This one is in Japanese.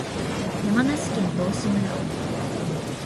山梨県道志村